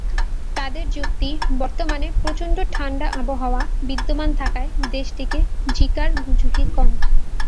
তাদের যুক্তি, বর্তমানে প্রচণ্ড ঠান্ডা আবহাওয়া বিদ্যমান থাকায় দেশটিতে জিকার ঝুঁকি কম।